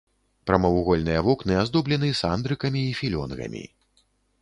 Прамавугольныя вокны аздоблены сандрыкамі і філёнгамі.